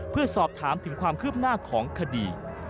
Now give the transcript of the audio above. เพื่อสอบถามถึงความคืบหน้าของคดี